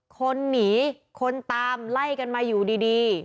คนหนีคนตามไล่กันมาอยู่ดี